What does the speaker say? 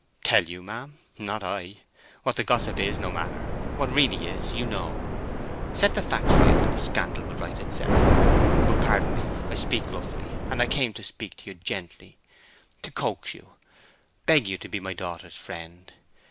"Tell you, ma'am—not I. What the gossip is, no matter. What really is, you know. Set facts right, and the scandal will right of itself. But pardon me—I speak roughly; and I came to speak gently, to coax you, beg you to be my daughter's friend.